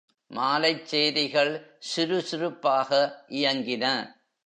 மாலைச் சேரிகள் சுருசுருப்பாக இயங்கின.